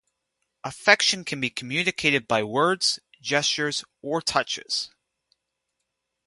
Affection can be communicated by words, gestures, or touches.